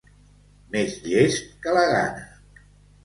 Més llest que la gana.